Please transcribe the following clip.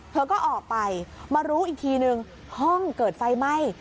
เธอก็ออกไปมารู้อีกทีนึงห้องเกิดไฟไหม้